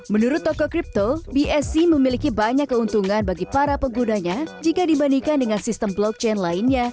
menurut toko kripto bsc memiliki banyak keuntungan bagi para penggunanya jika dibandingkan dengan sistem blockchain lainnya